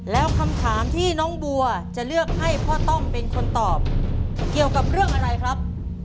แล้วคำถามที่น้องบัวจะเลือกให้พ่อต้อมเป็นคนตอบเกี่ยวกับเรื่องอะไรครับ